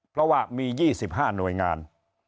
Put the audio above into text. เพราะว่ามี๒๕หน่วยงาน